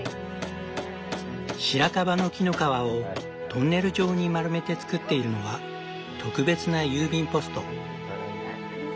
シラカバの木の皮をトンネル状に丸めて作っているのは特別な郵便ポスト。